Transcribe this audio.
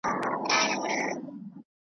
کله به ریشتیا سي، وايي بله ورځ .